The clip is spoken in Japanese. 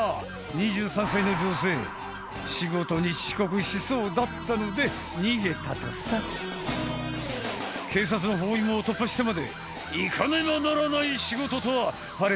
２３歳の女性仕事に遅刻しそうだったので逃げたとさ警察の包囲網を突破してまで行かねばならない仕事とははれ